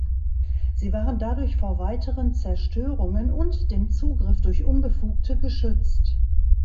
Sie waren dadurch vor weiteren Zerstörungen und dem Zugriff durch Unbefugte geschützt.